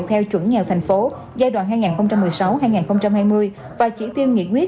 theo chuẩn nghèo thành phố giai đoạn hai nghìn một mươi sáu hai nghìn hai mươi và chỉ tiêu nghị quyết